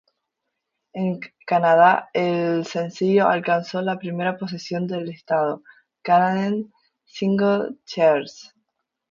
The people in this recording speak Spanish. En Canadá, el sencillo alcanzó la primera posición del listado Canadian Singles Chart.